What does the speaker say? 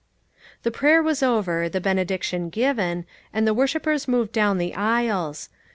The prayer was over, the benediction given, and the worshipers moved down the aisles.